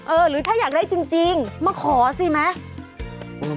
เออหรือถ้าอยากได้จริงมาขอสิมาหล่ะ